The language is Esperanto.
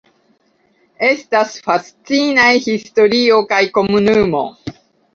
Estas fascinaj historio kaj komunumo.